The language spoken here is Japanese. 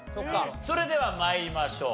それでは参りましょう。